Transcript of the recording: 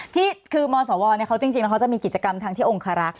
ที่คือมตสวเขาจริงจะมีกิจกรรมทางที่องครรักช์